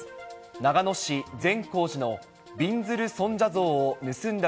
長野市善光寺のびんずる尊者像を盗んだ